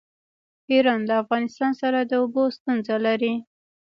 ایران له افغانستان سره د اوبو ستونزه لري.